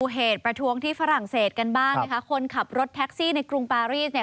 เหตุประท้วงที่ฝรั่งเศสกันบ้างนะคะคนขับรถแท็กซี่ในกรุงปารีสเนี่ย